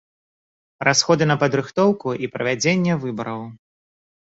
Расходы на падрыхтоўку і правядзенне выбараў.